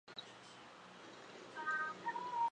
他们制作矿石收音机以学习基本的电子和通信知识。